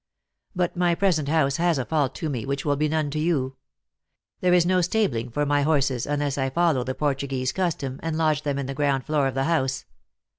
But my present house has a fault to me, which will be none to you. There is no stabling for my horses, unless I follow the Portuguese custom, and lodge them in the ground floor of the house.